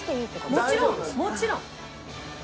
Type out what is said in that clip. もちろんもちろん。